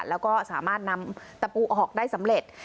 แล้วก็สามารถนำตะปูออกได้สำเร็จ